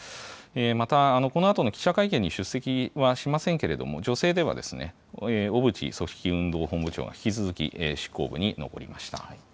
また、このあとの記者会見に出席はしませんけれども、女性では小渕組織運動本部長が引き続き執行部に残りました。